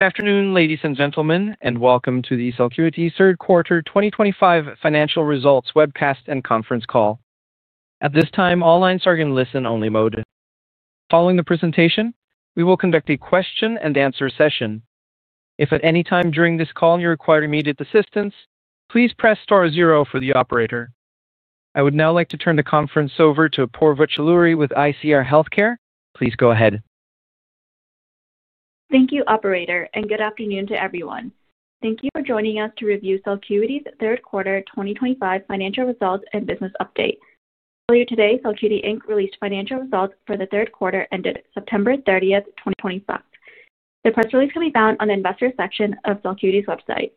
Good afternoon, ladies and gentlemen, and welcome to the Celcuity Q3 2025 Financial Results Webcast and Conference Call. At this time, all lines are in listen-only mode. Following the presentation, we will conduct a question-and-answer session. If at any time during this call you require immediate assistance, please press star zero for the operator. I would now like to turn the conference over to Porvich Lurie with ICR Healthcare. Please go ahead. Thank you, Operator, and good afternoon to everyone. Thank you for joining us to review Celcuity's Q3 2025 Financial Results and Business Update. Earlier today, Celcuity released financial results for the Q3 ended September 30th, 2025. The press release can be found on the Investor section of Celcuity's website.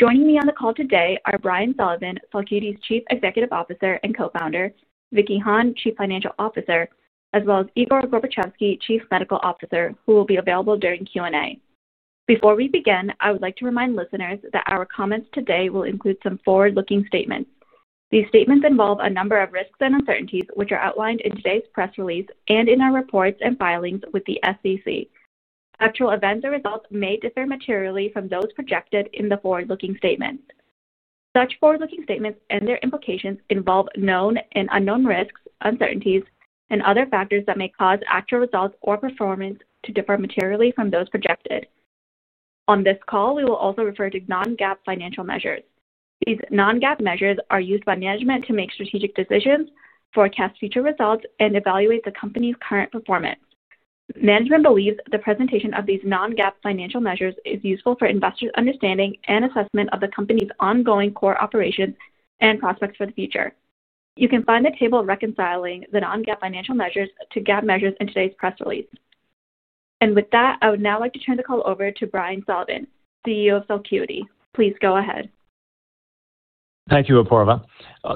Joining me on the call today are Brian Sullivan, Celcuity's Chief Executive Officer and Co-founder; Vicky Hahne, Chief Financial Officer; as well as Igor Gorbatchevsky, Chief Medical Officer, who will be available during Q&A. Before we begin, I would like to remind listeners that our comments today will include some forward-looking statements. These statements involve a number of risks and uncertainties, which are outlined in today's press release and in our reports and filings with the SEC. Actual events or results may differ materially from those projected in the forward-looking statements. Such forward-looking statements and their implications involve known and unknown risks, uncertainties, and other factors that may cause actual results or performance to differ materially from those projected. On this call, we will also refer to non-GAAP financial measures. These non-GAAP measures are used by management to make strategic decisions, forecast future results, and evaluate the company's current performance. Management believes the presentation of these non-GAAP financial measures is useful for investors' understanding and assessment of the company's ongoing core operations and prospects for the future. You can find a table reconciling the non-GAAP financial measures to GAAP measures in today's press release. I would now like to turn the call over to Brian Sullivan, CEO of Celcuity. Please go ahead. Thank you, Porvich.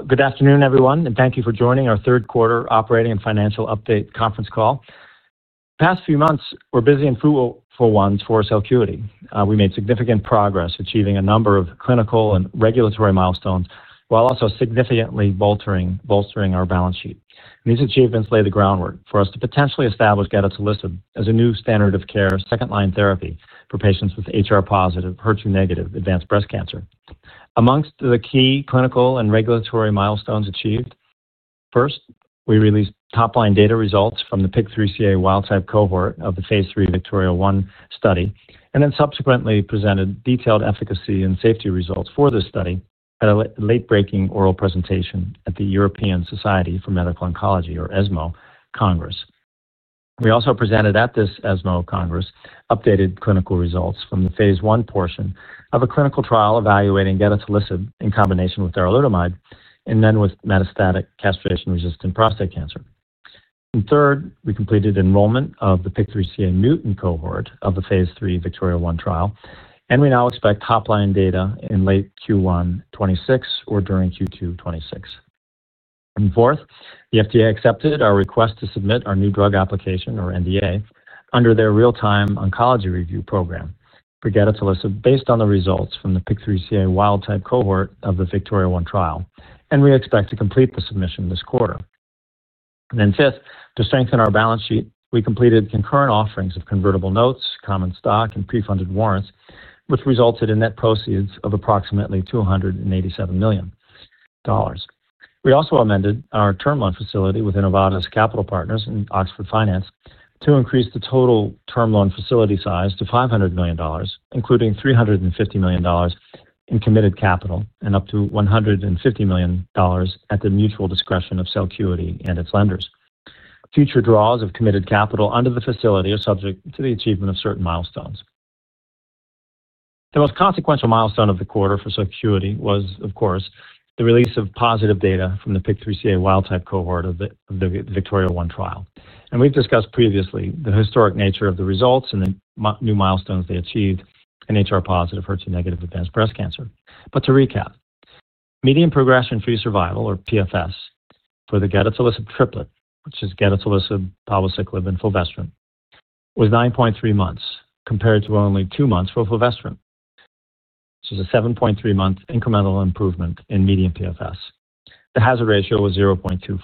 Good afternoon, everyone, and thank you for joining our Q3 operating and financial update conference call. The past few months were busy and fruitful ones for Celcuity. We made significant progress achieving a number of clinical and regulatory milestones while also significantly bolstering our balance sheet. These achievements lay the groundwork for us to potentially establish Gedatolisib as a new standard of care second-line therapy for patients with HR positive, HER2 negative, advanced breast cancer. Amongst the key clinical and regulatory milestones achieved, first, we released top-line data results from the PIK3CA wild-type cohort of the phase III VIKTORIA-1 study, and then subsequently presented detailed efficacy and safety results for this study at a late-breaking oral presentation at the European Society for Medical Oncology, or ESMO, Congress. We also presented at this ESMO Congress updated clinical results from the phase I portion of a clinical trial evaluating Gedatolisib in combination with darolutamide and then with metastatic castration-resistant prostate cancer. Third, we completed enrollment of the PIK3CA mutant cohort of the phase III VIKTORIA-1 trial, and we now expect top-line data in late Q1 2026 or during Q2 2026. Fourth, the FDA accepted our request to submit our new drug application, or NDA, under their real-time oncology review program for Gedatolisib based on the results from the PIK3CA wild-type cohort of the VIKTORIA-1 trial, and we expect to complete the submission this quarter. Fifth, to strengthen our balance sheet, we completed concurrent offerings of convertible notes, common stock, and pre-funded warrants, which resulted in net proceeds of approximately $287 million. We also amended our term loan facility with Innovatus Capital Partners and Oxford Finance to increase the total term loan facility size to $500 million, including $350 million in committed capital and up to $150 million at the mutual discretion of Celcuity and its lenders. Future draws of committed capital under the facility are subject to the achievement of certain milestones. The most consequential milestone of the quarter for Celcuity was, of course, the release of positive data from the PIK3CA wild-type cohort of the VIKTORIA-1 trial. We have discussed previously the historic nature of the results and the new milestones they achieved in HR positive, HER2 negative, advanced breast cancer. To recap, median progression-free survival, or PFS, for the Gedatolisib triplet, which is Gedatolisib, palbociclib, and fulvestrant, was 9.3 months compared to only two months for fulvestrant, which is a 7.3-month incremental improvement in median PFS. The hazard ratio was 0.24.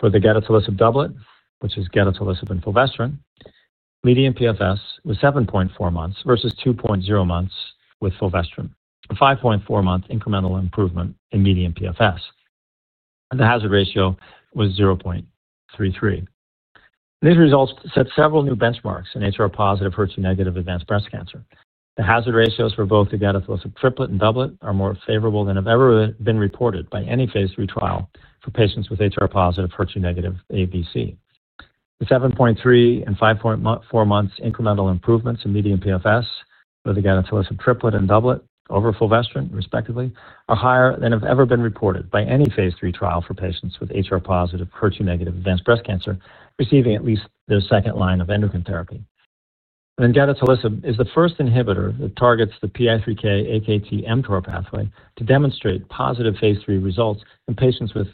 For the Gedatolisib doublet, which is Gedatolisib and fulvestrant, median PFS was 7.4 months versus 2.0 months with fulvestrant, a 5.4-month incremental improvement in median PFS. The hazard ratio was 0.33. These results set several new benchmarks in HR positive, HER2 negative, advanced breast cancer. The hazard ratios for both the Gedatolisib triplet and doublet are more favorable than have ever been reported by any phase III trial for patients with HR positive, HER2 negative, ABC. The 7.3 and 5.4-month incremental improvements in median PFS for the Gedatolisib triplet and doublet over fulvestrant, respectively, are higher than have ever been reported by any phase III trial for patients with HR positive, HER2 negative, advanced breast cancer receiving at least their second line of endocrine therapy. Gedatolisib is the first inhibitor that targets the PI3K/AKT/mTOR pathway to demonstrate positive phase III results in patients with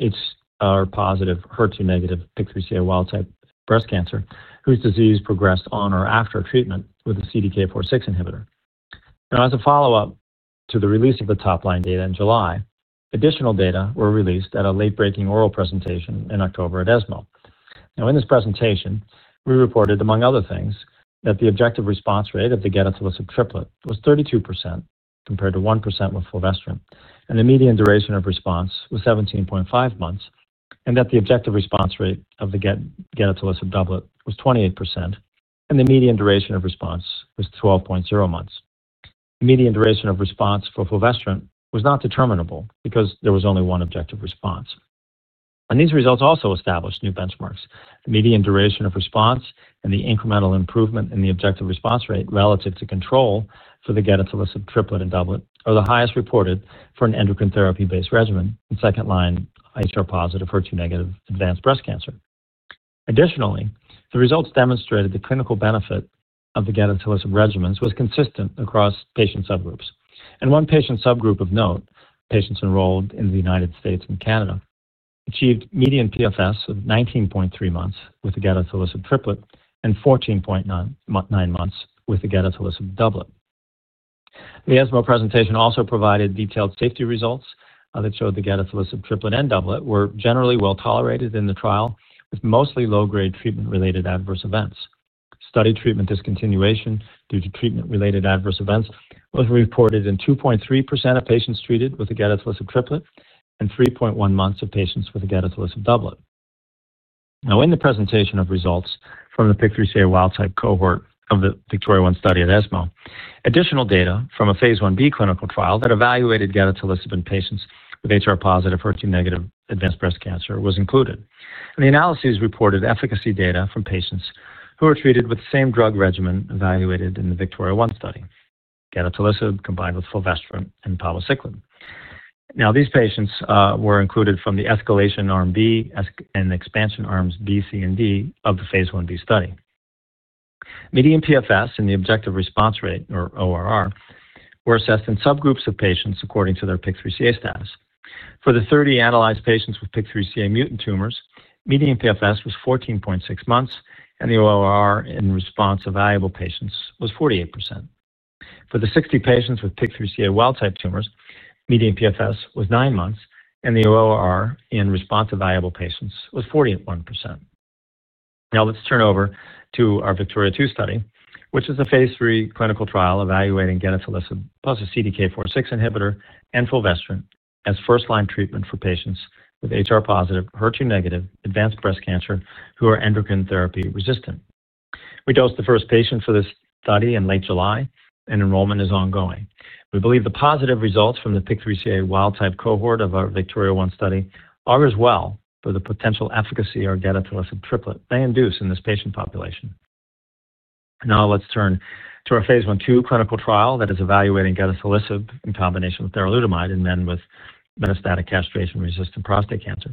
HR positive, HER2 negative, PIK3CA wild-type breast cancer whose disease progressed on or after treatment with a CDK4/6 inhibitor. As a follow-up to the release of the top-line data in July, additional data were released at a late-breaking oral presentation in October at ESMO. In this presentation, we reported, among other things, that the objective response rate of the Gedatolisib triplet was 32% compared to 1% with fulvestrant, and the median duration of response was 17.5 months, and that the objective response rate of the Gedatolisib doublet was 28%, and the median duration of response was 12.0 months. The median duration of response for fulvestrant was not determinable because there was only one objective response. These results also established new benchmarks. The median duration of response and the incremental improvement in the objective response rate relative to control for the Gedatolisib triplet and doublet are the highest reported for an endocrine therapy-based regimen in second-line HR positive, HER2 negative, advanced breast cancer. Additionally, the results demonstrated the clinical benefit of the Gedatolisib regimens was consistent across patient subgroups. One patient subgroup of note, patients enrolled in the U.S. and Canada, achieved median PFS of 19.3 months with the Gedatolisib triplet and 14.9 months with the Gedatolisib doublet. The ESMO presentation also provided detailed safety results that showed the Gedatolisib triplet and doublet were generally well tolerated in the trial with mostly low-grade treatment-related adverse events. Study treatment discontinuation due to treatment-related adverse events was reported in 2.3% of patients treated with the Gedatolisib triplet and 3.1% of patients with the Gedatolisib doublet. Now, in the presentation of results from the PIK3CA wild-type cohort of the VIKTORIA-1 study at ESMO, additional data from a phase Ib clinical trial that evaluated Gedatolisib in patients with HR positive, HER2 negative, advanced breast cancer was included. The analyses reported efficacy data from patients who were treated with the same drug regimen evaluated in the VIKTORIA-1 study: Gedatolisib combined with fulvestrant and palbociclib. These patients were included from the escalation arm B and expansion arms B, C, and D of the phase Ib study. Median PFS and the objective response rate, or ORR, were assessed in subgroups of patients according to their PIK3CA status. For the 30 analyzed patients with PIK3CA mutant tumors, median PFS was 14.6 months, and the ORR in response evaluable patients was 48%. For the 60 patients with PIK3CA wild-type tumors, median PFS was 9 months, and the ORR in response evaluable patients was 41%. Now, let's turn over to our VIKTORIA-2 study, which is a phase III clinical trial evaluating Gedatolisib plus a CDK4/6 inhibitor and fulvestrant as first-line treatment for patients with HR positive, HER2 negative, advanced breast cancer who are endocrine therapy resistant. We dosed the first patient for this study in late July, and enrollment is ongoing. We believe the positive results from the PIK3CA wild-type cohort of our VIKTORIA-1 study are as well for the potential efficacy our Gedatolisib triplet may induce in this patient population. Now, let's turn to our phase II clinical trial that is evaluating Gedatolisib in combination with darolutamide in men with metastatic castration-resistant prostate cancer.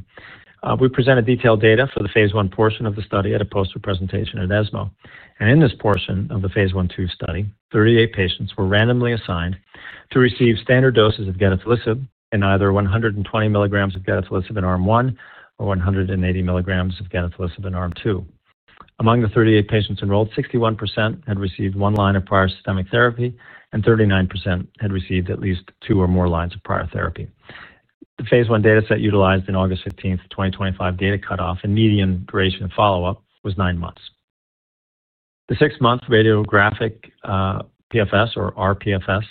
We presented detailed data for the phase I portion of the study at a poster presentation at ESMO. In this portion of the phase II study, 38 patients were randomly assigned to receive standard doses of Gedatolisib, and either 120 milligrams of Gedatolisib in arm I or 180 milligrams of Gedatolisib in arm II. Among the 38 patients enrolled, 61% had received one line of prior systemic therapy, and 39% had received at least two or more lines of prior therapy. The phase I data set utilized an August 15, 2025, data cutoff and median duration of follow-up was 9 months. The six-month radiographic PFS, or RPFS,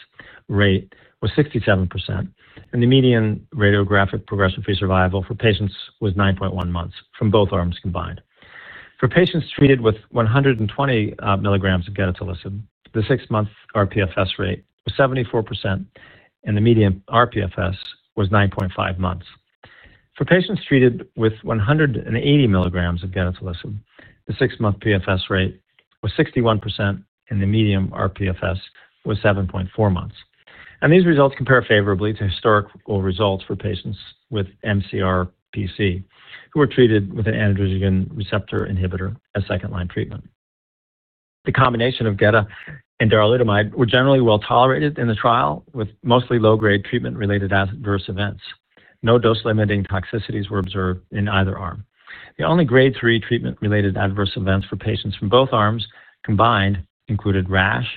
rate was 67%, and the median radiographic progression-free survival for patients was 9.1 months from both arms combined. For patients treated with 120 mg of Gedatolisib, the six-month RPFS rate was 74%, and the median RPFS was 9.5 months. For patients treated with 180 milligrams of Gedatolisib, the six-month PFS rate was 61%, and the median RPFS was 7.4 months. These results compare favorably to historical results for patients with mCRPC who were treated with an androgen receptor inhibitor as second-line treatment. The combination of Gedatolisib and darolutamide were generally well tolerated in the trial with mostly low-grade treatment-related adverse events. No dose-limiting toxicities were observed in either arm. The only grade 3 treatment-related adverse events for patients from both arms combined included rash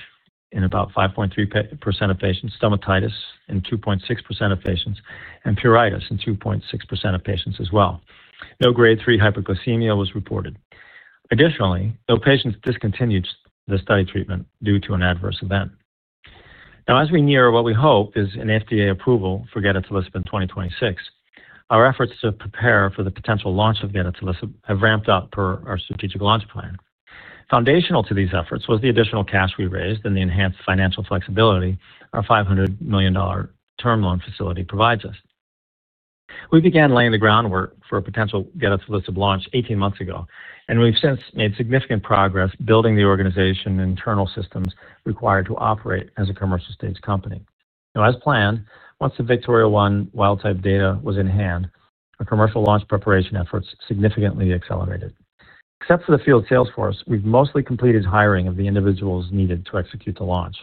in about 5.3% of patients, stomatitis in 2.6% of patients, and pruritus in 2.6% of patients as well. No Grade 3 hyperglycemia was reported. Additionally, no patients discontinued the study treatment due to an adverse event. Now, as we near what we hope is an FDA approval for Gedatolisib in 2026, our efforts to prepare for the potential launch of Gedatolisib have ramped up per our strategic launch plan. Foundational to these efforts was the additional cash we raised and the enhanced financial flexibility our $500 million term loan facility provides us. We began laying the groundwork for a potential Gedatolisib launch 18 months ago, and we've since made significant progress building the organization and internal systems required to operate as a commercial stage company. Now, as planned, once the VIKTORIA-1 wild-type data was in hand, our commercial launch preparation efforts significantly accelerated. Except for the field salesforce, we've mostly completed hiring of the individuals needed to execute the launch.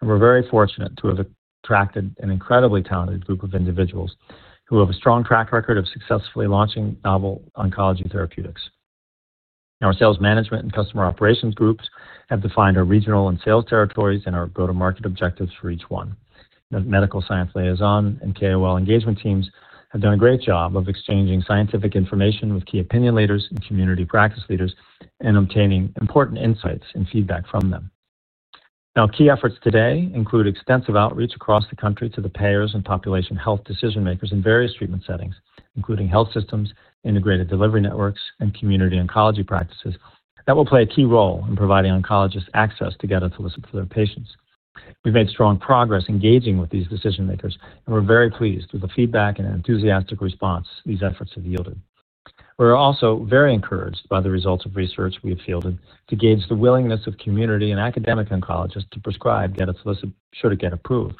We're very fortunate to have attracted an incredibly talented group of individuals who have a strong track record of successfully launching novel oncology therapeutics. Our sales management and customer operations groups have defined our regional and sales territories and our go-to-market objectives for each one. The medical science liaison and KOL engagement teams have done a great job of exchanging scientific information with key opinion leaders and community practice leaders and obtaining important insights and feedback from them. Now, key efforts today include extensive outreach across the country to the payers and population health decision-makers in various treatment settings, including health systems, integrated delivery networks, and community oncology practices that will play a key role in providing oncologists access to Gedatolisib for their patients. We've made strong progress engaging with these decision-makers, and we're very pleased with the feedback and enthusiastic response these efforts have yielded. We're also very encouraged by the results of research we have fielded to gauge the willingness of community and academic oncologists to prescribe Gedatolisib should it get approved.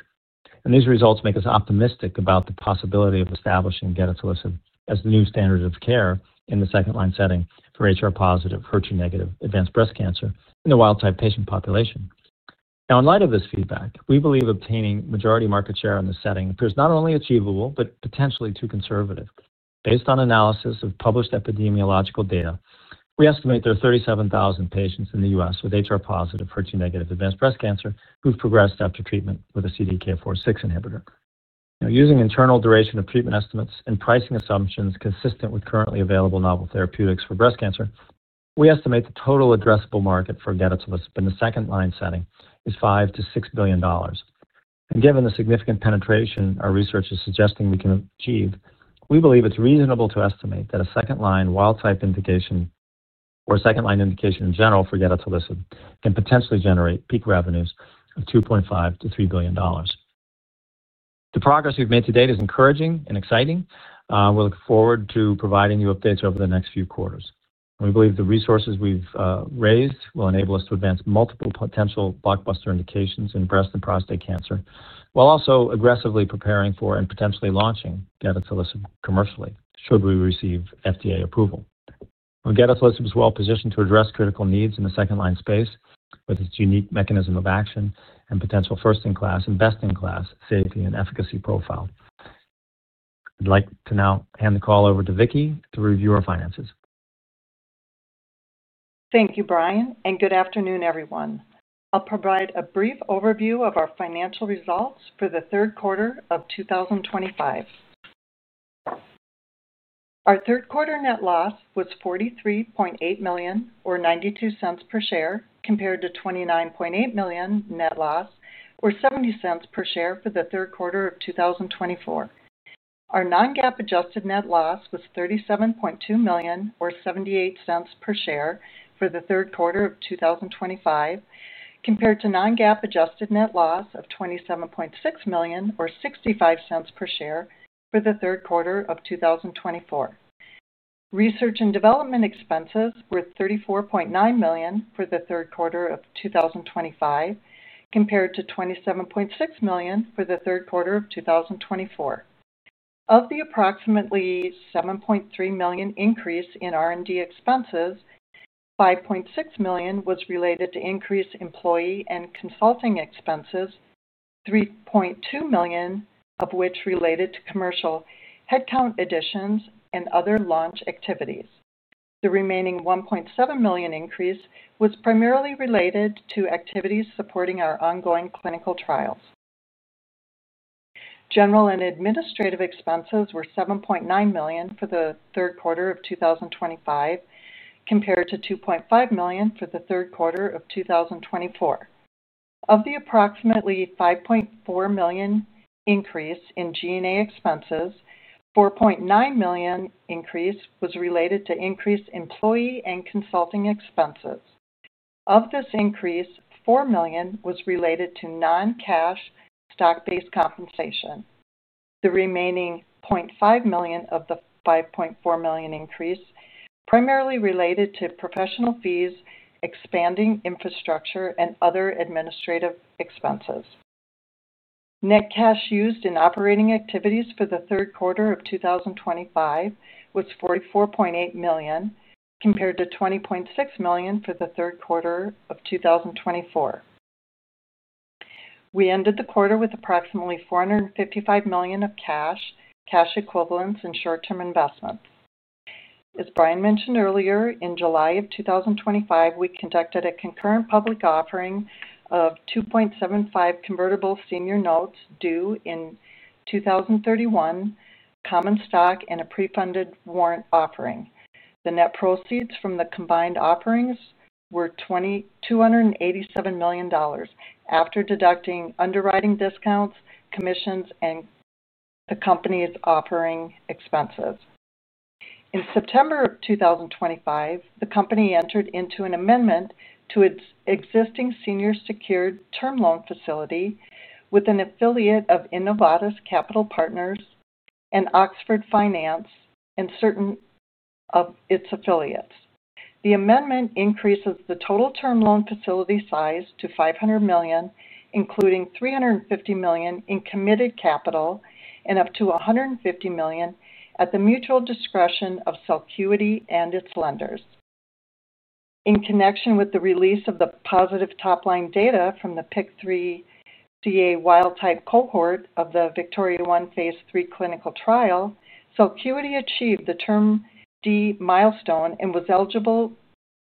These results make us optimistic about the possibility of establishing Gedatolisib as the new standard of care in the second-line setting for HR positive, HER2 negative, advanced breast cancer in the wild-type patient population. Now, in light of this feedback, we believe obtaining majority market share in this setting appears not only achievable but potentially too conservative. Based on analysis of published epidemiological data, we estimate there are 37,000 patients in the U.S. with HR positive, HER2 negative, advanced breast cancer who've progressed after treatment with a CDK4/6 inhibitor. Now, using internal duration of treatment estimates and pricing assumptions consistent with currently available novel therapeutics for breast cancer, we estimate the total addressable market for Gedatolisib in the second-line setting is $5 billion-$6 billion. Given the significant penetration our research is suggesting we can achieve, we believe it's reasonable to estimate that a second-line wild-type indication or a second-line indication in general for Gedatolisib can potentially generate peak revenues of $2.5 billion-$3 billion. The progress we've made to date is encouraging and exciting. We look forward to providing you updates over the next few quarters. We believe the resources we've raised will enable us to advance multiple potential blockbuster indications in breast and prostate cancer while also aggressively preparing for and potentially launching Gedatolisib commercially should we receive FDA approval. Gedatolisib is well positioned to address critical needs in the second-line space with its unique mechanism of action and potential first-in-class and best-in-class safety and efficacy profile. I'd like to now hand the call over to Vicky to review our finances. Thank you, Brian, and good afternoon, everyone. I'll provide a brief overview of our financial results for the third quarter of 2025. Our third-quarter net loss was $43.8 million, or $0.92 per share, compared to $29.8 million net loss, or $0.70 per share for the third quarter of 2024. Our non-GAAP adjusted net loss was $37.2 million, or $0.78 per share for the third quarter of 2025, compared to non-GAAP adjusted net loss of $27.6 million, or $0.65 per share for the third quarter of 2024. Research and development expenses were $34.9 million for the third quarter of 2025, compared to $27.6 million for the third quarter of 2024. Of the approximately $7.3 million increase in R&D expenses, $5.6 million was related to increased employee and consulting expenses, $3.2 million of which related to commercial headcount additions and other launch activities. The remaining $1.7 million increase was primarily related to activities supporting our ongoing clinical trials. General and administrative expenses were $7.9 million for the third quarter of 2025, compared to $2.5 million for the third quarter of 2024. Of the approximately $5.4 million increase in G&A expenses, $4.9 million increase was related to increased employee and consulting expenses. Of this increase, $4 million was related to non-cash stock-based compensation. The remaining $0.5 million of the $5.4 million increase primarily related to professional fees, expanding infrastructure, and other administrative expenses. Net cash used in operating activities for the third quarter of 2025 was $44.8 million, compared to $20.6 million for the third quarter of 2024. We ended the quarter with approximately $455 million of cash, cash equivalents, and short-term investments. As Brian mentioned earlier, in July of 2025, we conducted a concurrent public offering of $2.75 million convertible senior notes due in 2031, common stock, and a pre-funded warrant offering. The net proceeds from the combined offerings were $287 million after deducting underwriting discounts, commissions, and the company's offering expenses. In September of 2025, the company entered into an amendment to its existing senior secured term loan facility with an affiliate of Innovatus Capital Partners and Oxford Finance and certain of its affiliates. The amendment increases the total term loan facility size to $500 million, including $350 million in committed capital and up to $150 million at the mutual discretion of Celcuity and its lenders. In connection with the release of the positive top-line data from the PIK3CA wild-type cohort of the Victoria I phase III clinical trial, Celcuity achieved the Term D milestone and was eligible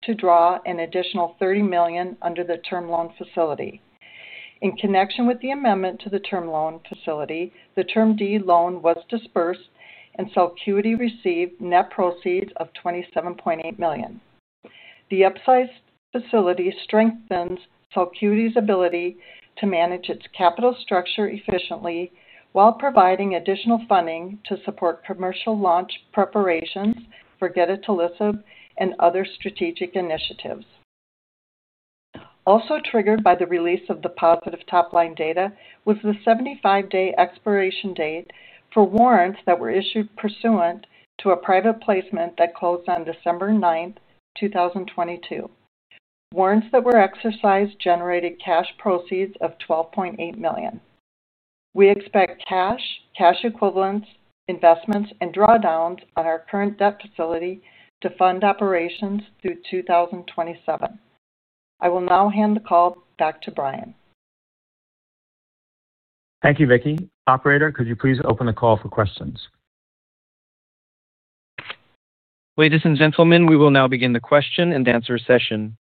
to draw an additional $30 million under the term loan facility. In connection with the amendment to the term loan facility, the Term D loan was disbursed, and Celcuity received net proceeds of $27.8 million. The upsized facility strengthens Celcuity's ability to manage its capital structure efficiently while providing additional funding to support commercial launch preparations for Gedatolisib and other strategic initiatives. Also triggered by the release of the positive top-line data was the 75-day expiration date for warrants that were issued pursuant to a private placement that closed on December 9, 2022. Warrants that were exercised generated cash proceeds of $12.8 million. We expect cash, cash equivalents, investments, and drawdowns on our current debt facility to fund operations through 2027. I will now hand the call back to Brian. Thank you, Vicky. Operator, could you please open the call for questions? Ladies and gentlemen, we will now begin the question and answer session.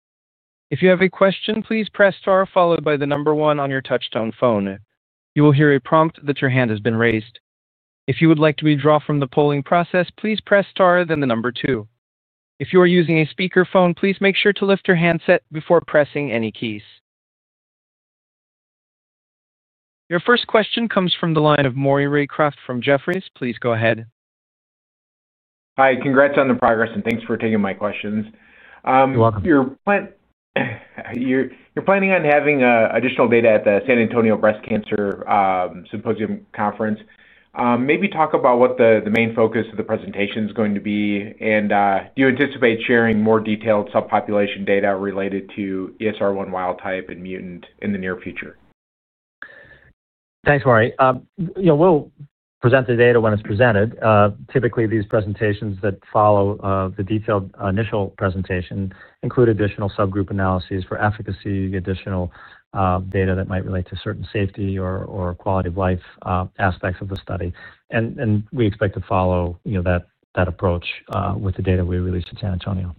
If you have a question, please press star followed by the number one on your touch-tone phone. You will hear a prompt that your hand has been raised. If you would like to withdraw from the polling process, please press star, then the number two. If you are using a speakerphone, please make sure to lift your handset before pressing any keys. Your first question comes from the line of Maury Raycroft from Jefferies. Please go ahead. Hi. Congrats on the progress, and thanks for taking my questions. You're planning on having additional data at the San Antonio Breast Cancer Symposium Conference. Maybe talk about what the main focus of the presentation is going to be, and do you anticipate sharing more detailed subpopulation data related to ESR1 wild-type and mutant in the near future? Thanks, Maury. We'll present the data when it's presented. Typically, these presentations that follow the detailed initial presentation include additional subgroup analyses for efficacy, additional data that might relate to certain safety or quality of life aspects of the study. We expect to follow that approach with the data we released to San Antonio.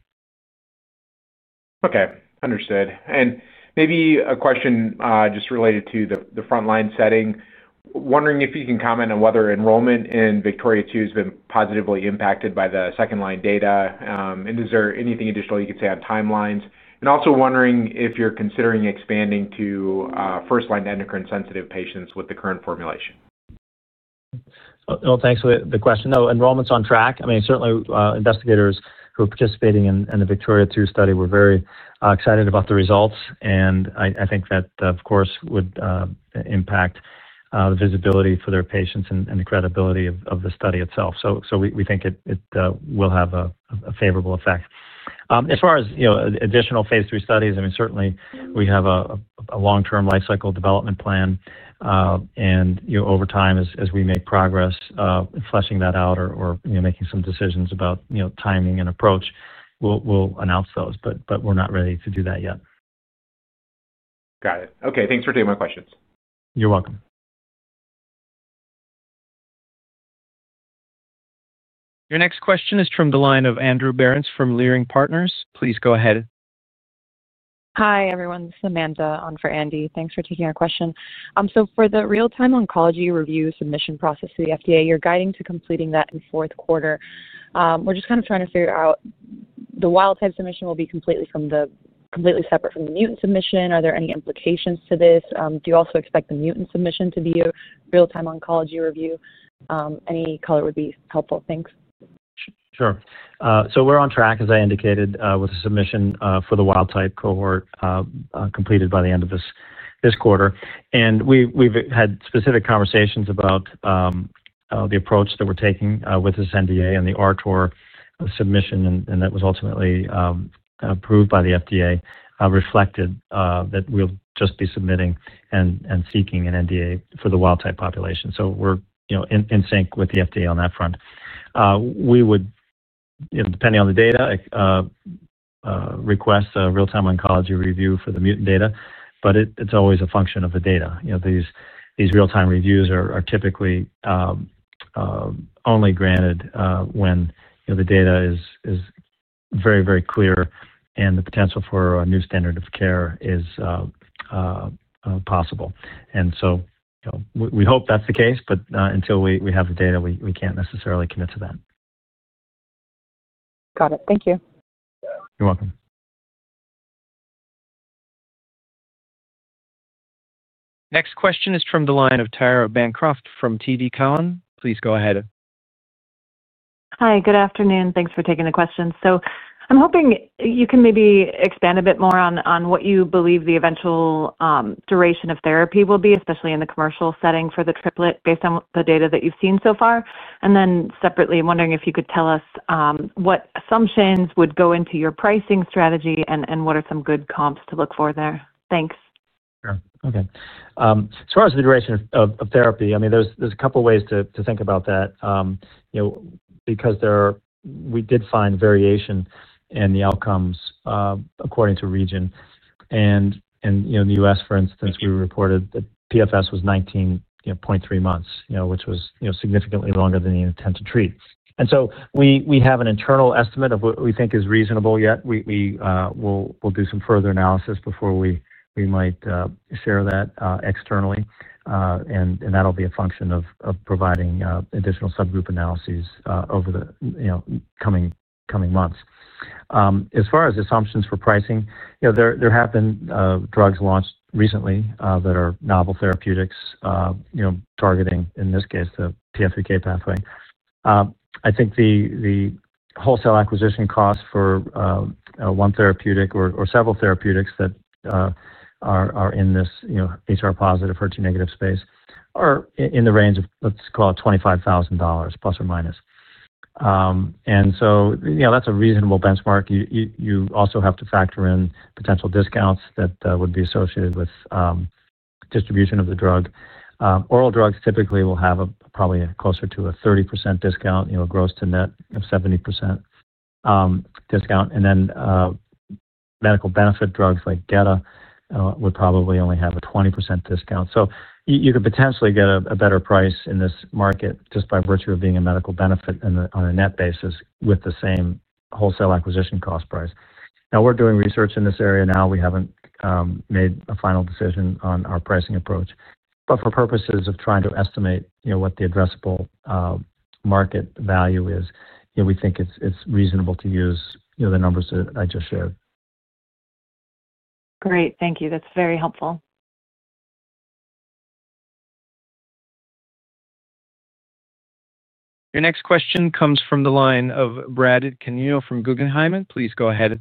Okay. Understood. Maybe a question just related to the front-line setting. Wondering if you can comment on whether enrollment in Victoria II has been positively impacted by the second-line data, and is there anything additional you could say on timelines? Thank you for the question. No, enrollment's on track. I mean, certainly, investigators who are participating in the Victoria II study were very excited about the results, and I think that, of course, would impact the visibility for their patients and the credibility of the study itself. We think it will have a favorable effect. As far as additional phase III studies, I mean, certainly, we have a long-term life cycle development plan, and over time, as we make progress, fleshing that out or making some decisions about timing and approach, we'll announce those. We're not ready to do that yet. Got it. Okay. Thanks for taking my questions. You're welcome. Your next question is from the line of Andrew Berens from Leerink Partners. Please go ahead. Hi, everyone. This is Amanda, on for Andy. Thanks for taking our question. For the real-time oncology review submission process to the FDA, you're guiding to completing that fourth quarter. We're just kind of trying to figure out if the wild-type submission will be completely separate from the mutant submission. Are there any implications to this? Do you also expect the mutant submission to be a real-time oncology review? Any color would be helpful. Thanks. Sure. We're on track, as I indicated, with the submission for the wild-type cohort completed by the end of this quarter. We've had specific conversations about the approach that we're taking with this NDA and the RTOR submission, and that was ultimately approved by the FDA. That reflected that we'll just be submitting and seeking an NDA for the wild-type population. We're in sync with the FDA on that front. We would, depending on the data, request a real-time oncology review for the mutant data, but it's always a function of the data. These real-time reviews are typically only granted when the data is very, very clear and the potential for a new standard of care is possible. We hope that's the case, but until we have the data, we can't necessarily commit to that. Got it. Thank you. You're welcome. Next question is from the line of Tara Bancroft from TD Cowen. Please go ahead. Hi. Good afternoon. Thanks for taking the question. I'm hoping you can maybe expand a bit more on what you believe the eventual duration of therapy will be, especially in the commercial setting for the triplet based on the data that you've seen so far. Then separately, I'm wondering if you could tell us what assumptions would go into your pricing strategy and what are some good comps to look for there. Thanks. Sure. Okay. As far as the duration of therapy, I mean, there's a couple of ways to think about that because we did find variation in the outcomes according to region. In the U.S., for instance, we reported that PFS was 19.3 months, which was significantly longer than the intent to treat. We have an internal estimate of what we think is reasonable yet. We'll do some further analysis before we might share that externally, and that'll be a function of providing additional subgroup analyses over the coming months. As far as assumptions for pricing, there have been drugs launched recently that are novel therapeutics targeting, in this case, the PI3K pathway. I think the wholesale acquisition costs for one therapeutic or several therapeutics that are in this HR positive, HER2 negative space are in the range of, let's call it, $25,000 plus or minus. That's a reasonable benchmark. You also have to factor in potential discounts that would be associated with distribution of the drug. Oral drugs typically will have probably closer to a 30% discount, gross to net, of 70% discount. Medical benefit drugs like Gedatolisib would probably only have a 20% discount. You could potentially get a better price in this market just by virtue of being a medical benefit on a net basis with the same wholesale acquisition cost price. Now, we're doing research in this area now. We haven't made a final decision on our pricing approach. For purposes of trying to estimate what the addressable market value is, we think it's reasonable to use the numbers that I just shared. Great. Thank you. That's very helpful. Your next question comes from the line of Brad Canino from Guggenheim Securities. Please go ahead.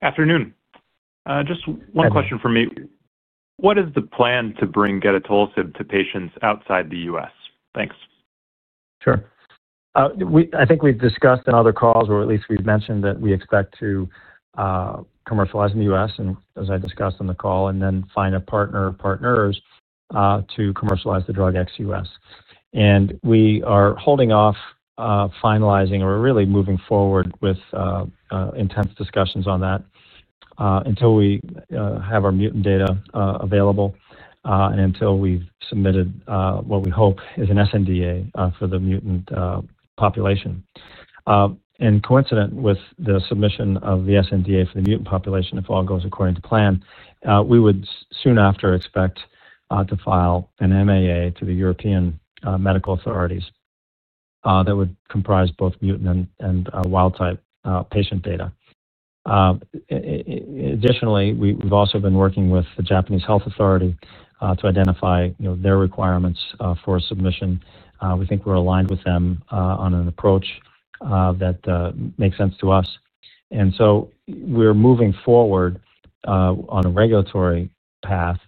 Afternoon. Just one question from me. What is the plan to bring Gedatolisib to patients outside the U.S.? Thanks. Sure. I think we've discussed in other calls, or at least we've mentioned that we expect to commercialize in the U.S., as I discussed on the call, and then find a partner or partners to commercialize the drug ex-U.S. We are holding off finalizing or really moving forward with intense discussions on that until we have our mutant data available and until we've submitted what we hope is an sNDA for the mutant population. Coincident with the submission of the sNDA for the mutant population, if all goes according to plan, we would soon after expect to file an MAA to the European medical authorities that would comprise both mutant and wild-type patient data. Additionally, we've also been working with the Japanese health authority to identify their requirements for submission. We think we're aligned with them on an approach that makes sense to us. We are moving forward on a regulatory path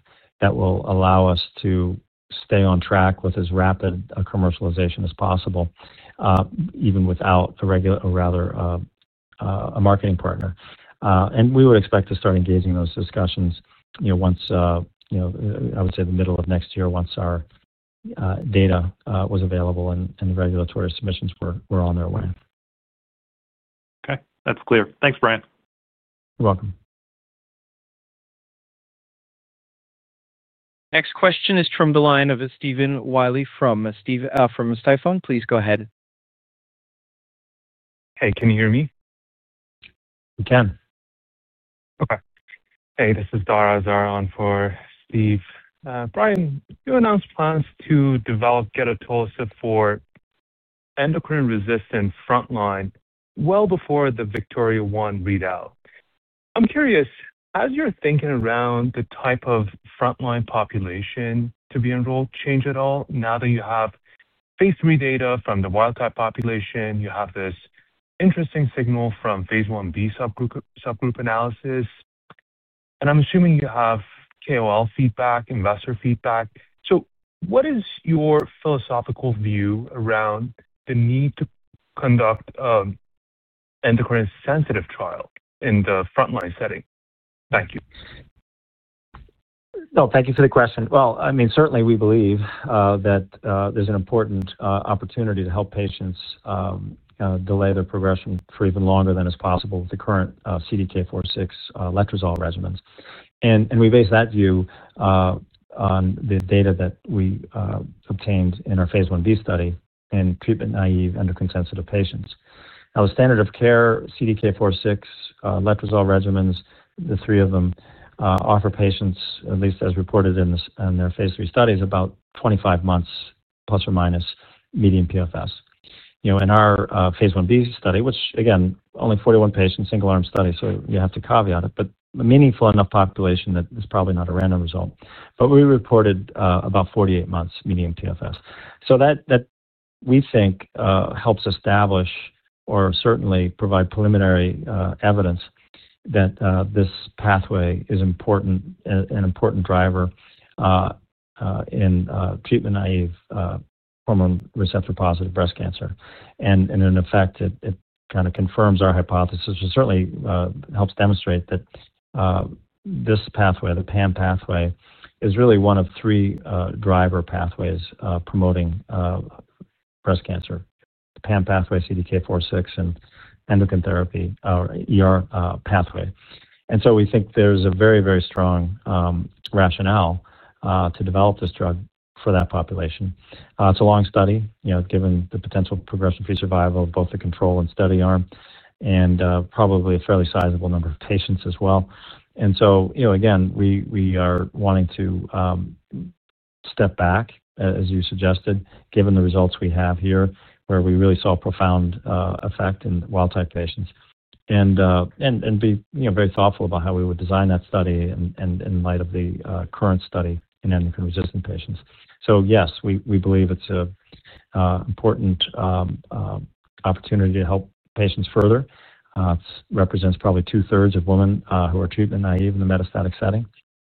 that will allow us to stay on track with as rapid a commercialization as possible, even without a marketing partner. We would expect to start engaging in those discussions, I would say, the middle of next year, once our data was available and the regulatory submissions were on their way. Okay. That's clear. Thanks, Brian. You're welcome. Next question is from the line of Stephen Willey from Stifel. Please go ahead. Hey, can you hear me? We can. Okay. Hey, this is Dara. I was on for Steve. Brian, you announced plans to develop Gedatolisib for endocrine-resistant front-line well before the Victoria I readout. I'm curious, has your thinking around the type of front-line population to be enrolled changed at all now that you have phase III data from the wild-type population? You have this interesting signal from phase IB subgroup analysis. And I'm assuming you have KOL feedback, investor feedback. What is your philosophical view around the need to conduct an endocrine-sensitive trial in the front-line setting? Thank you. No, thank you for the question. I mean, certainly, we believe that there's an important opportunity to help patients delay their progression for even longer than is possible with the current CDK4/6 letrozole regimens. We base that view on the data that we obtained in our phase Ib study in treatment-naive endocrine-sensitive patients. Now, the standard of care CDK4/6 letrozole regimens, the three of them, offer patients, at least as reported in their phase III studies, about 25 months plus or minus median PFS. In our phase Ib study, which, again, only 41 patients, single-arm study, so you have to caveat it, but a meaningful enough population that it's probably not a random result. We reported about 48 months median PFS. That, we think, helps establish or certainly provide preliminary evidence that this pathway is an important driver in treatment-naive hormone receptor-positive breast cancer. In effect, it kind of confirms our hypothesis and certainly helps demonstrate that this pathway, the PAM pathway, is really one of three driver pathways promoting breast cancer: PAM pathway, CDK4/6, and endocrine therapy or pathway. We think there's a very, very strong rationale to develop this drug for that population. It's a long study, given the potential progression-free survival of both the control and study arm, and probably a fairly sizable number of patients as well. Again, we are wanting to step back, as you suggested, given the results we have here, where we really saw profound effect in wild-type patients, and be very thoughtful about how we would design that study in light of the current study in endocrine-resistant patients. Yes, we believe it's an important opportunity to help patients further. It represents probably two-thirds of women who are treatment naive in the metastatic setting.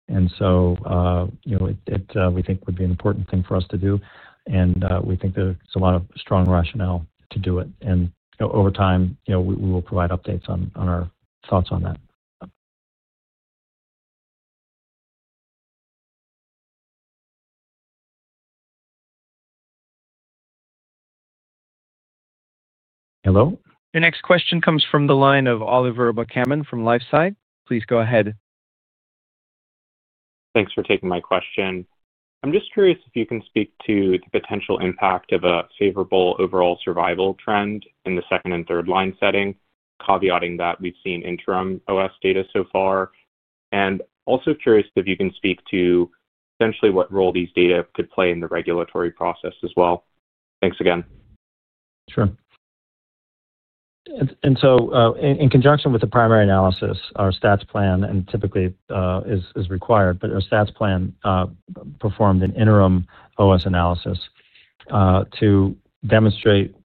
We think it would be an important thing for us to do, and we think there's a lot of strong rationale to do it. Over time, we will provide updates on our thoughts on that. Hello? Your next question comes from the line of Oliver McCammon from LifeSci Capital. Please go ahead. Thanks for taking my question. I'm just curious if you can speak to the potential impact of a favorable overall survival trend in the second and third-line setting, caveating that we've seen interim OS data so far. I'm also curious if you can speak to essentially what role these data could play in the regulatory process as well. Thanks again. Sure. In conjunction with the primary analysis, our stats plan, and typically is required, but our stats plan performed an interim OS analysis to demonstrate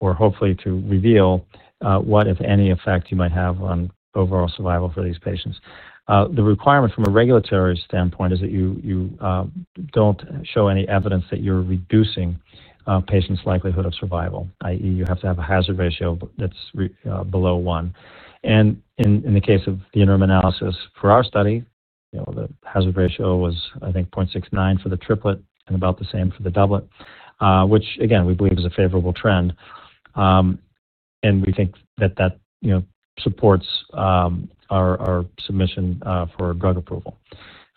or hopefully to reveal what, if any, effect you might have on overall survival for these patients. The requirement from a regulatory standpoint is that you do not show any evidence that you are reducing patients' likelihood of survival, i.e., you have to have a hazard ratio that is below one. In the case of the interim analysis for our study, the hazard ratio was, I think, 0.69 for the triplet and about the same for the doublet, which, again, we believe is a favorable trend. We think that that supports our submission for drug approval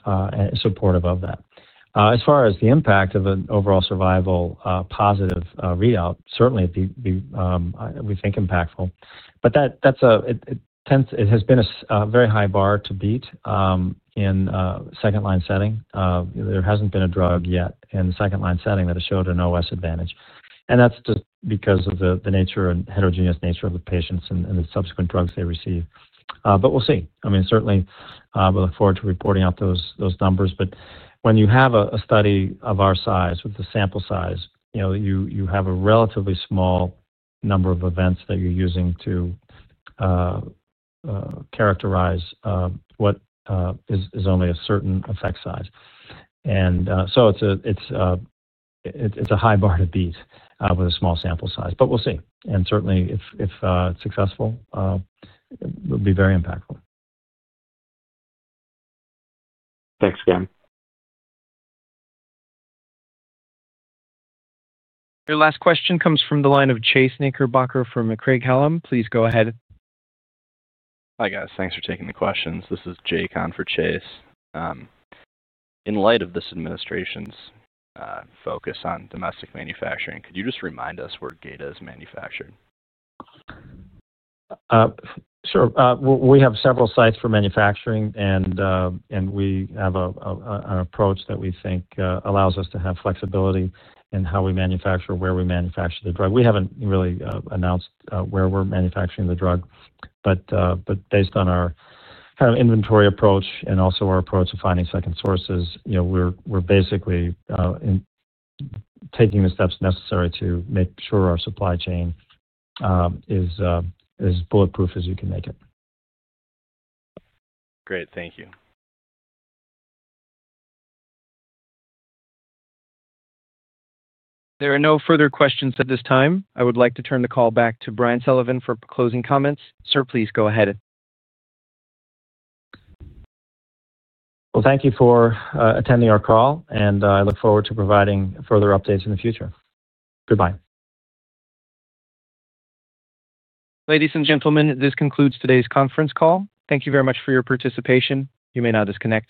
and is supportive of that. As far as the impact of an overall survival positive readout, certainly we think impactful. It has been a very high bar to beat in the second-line setting. There has not been a drug yet in the second-line setting that has showed an OS advantage. That is just because of the heterogeneous nature of the patients and the subsequent drugs they receive. We will see. I mean, certainly, we look forward to reporting out those numbers. When you have a study of our size with the sample size, you have a relatively small number of events that you are using to characterize what is only a certain effect size. It is a high bar to beat with a small sample size. We will see. Certainly, if successful, it will be very impactful. Thanks again. Your last question comes from the line of Chase Knickerbocker from Craig-Hallum Capital Group. Please go ahead. Hi guys. Thanks for taking the questions. This is Jay Kahn for Chase. In light of this administration's focus on domestic manufacturing, could you just remind us where GETA is manufactured? Sure. We have several sites for manufacturing, and we have an approach that we think allows us to have flexibility in how we manufacture where we manufacture the drug. We have not really announced where we are manufacturing the drug. Based on our kind of inventory approach and also our approach of finding second sources, we are basically taking the steps necessary to make sure our supply chain is as bulletproof as you can make it. Great. Thank you. There are no further questions at this time. I would like to turn the call back to Brian Sullivan for closing comments. Sir, please go ahead. Thank you for attending our call, and I look forward to providing further updates in the future. Goodbye. Ladies and gentlemen, this concludes today's conference call. Thank you very much for your participation. You may now disconnect.